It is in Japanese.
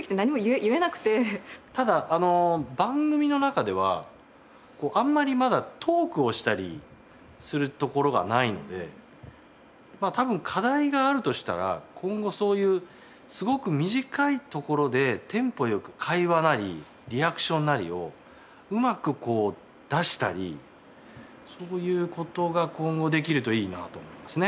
ただ番組の中ではあんまりまだトークをしたりするところがないので多分課題があるとしたら今後そういうすごく短いところでテンポ良く会話なりリアクションなりをうまくこう出したりそういう事が今後できるといいなと思いますね。